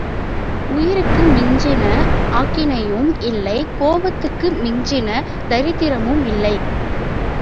உயிருக்கு மிஞ்சின ஆக்கினையும் இல்லை கோவணத்துக்கு மிஞ்சின தரித்திரமும் இல்லை.